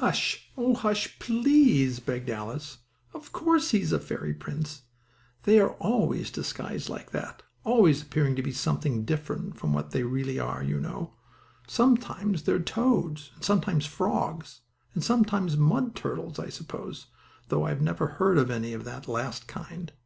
"Hush! Oh hush, please!" begged Alice. "Of course he is a fairy prince! They are always disguised like that always appearing as something different from what they really are, you know. Sometimes they are toads, and sometimes frogs, and sometimes mud turtles, I suppose, though I never heard of any of the last kind.